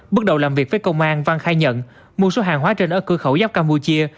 bước đầu làm việc với công an văn khai nhận mua số hàng hóa trên ở cửa khẩu giáp campuchia